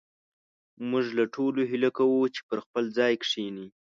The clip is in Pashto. موږ له ټولو هيله کوو چې پر خپل ځاى کښېنئ